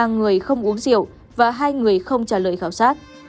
tám mươi ba người không uống rượu và hai người không trả lời khảo sát